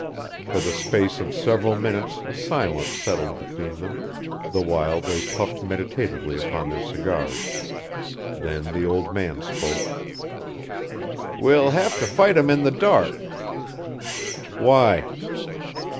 For the space of several minutes a silence settled between them, the while they puffed meditatively upon their cigars. Then the old man spoke. "We'll have to fight him in the dark." "Why?"